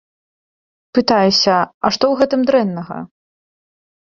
Пытаюся, а што у гэтым дрэннага?